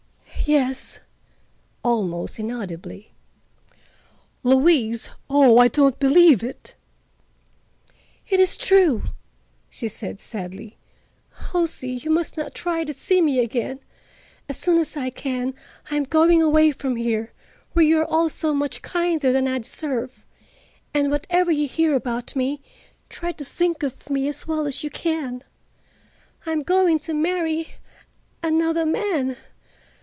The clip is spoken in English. "Yes," almost inaudibly. "Louise! Oh, I don't believe it." "It is true," she said sadly. "Halsey, you must not try to see me again. As soon as I can, I am going away from here—where you are all so much kinder than I deserve. And whatever you hear about me, try to think as well of me as you can. I am going to marry—another man.